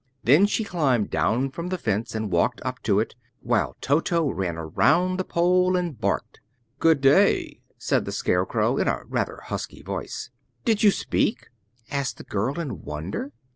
Then she climbed down from the fence and walked up to it, while Toto ran around the pole and barked. "Good day," said the Scarecrow, in a rather husky voice. "Did you speak?" asked the girl, in wonder.